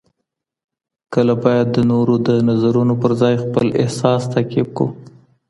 کله باید د نورو د نظرونو پر ځای خپل احساس تعقیب کړو؟